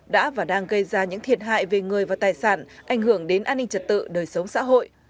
đã và đang gây ra những thiệt hại về người và tài sản ảnh hưởng đến an ninh trật tự đời sống xã hội